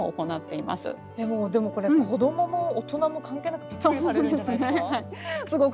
でもこれ子どもも大人も関係なくびっくりされるんじゃないですか？